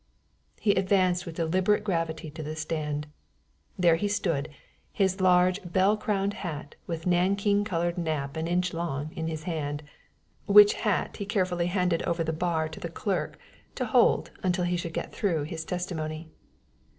He advanced with deliberate gravity to the stand. There he stood, his large bell crowned hat, with nankeen colored nap an inch long, in his hand; which hat he carefully handed over the bar to the clerk to hold until he should get through his testimony.